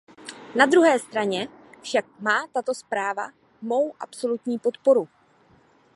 Na druhé straně však má tato zpráva mou absolutní podporu.